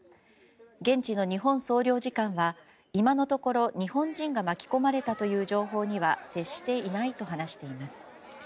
現地の日本総領事館は今のところ日本人が巻き込まれたという情報には接していないと話しています。